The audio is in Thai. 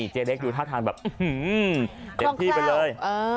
เจ๊เล็กอยู่ท่าทางแบบอื้อหือเล็กพี่ไปเลย